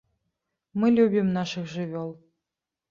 Мы любім нашых жывёл.